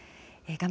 画面